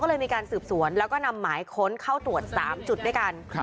ก็เลยมีการสืบสวนแล้วก็นำหมายค้นเข้าตรวจ๓จุดด้วยกัน